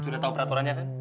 sudah tahu peraturannya kan